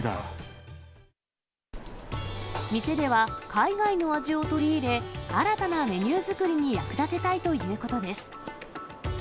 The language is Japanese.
店では、海外の味を取り入れ、新たなメニュー作りに役立てたいということです。